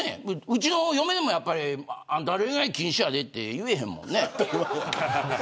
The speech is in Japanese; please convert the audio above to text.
うちの嫁でもやっぱりあんた、恋愛禁止やでって言えへんもんね。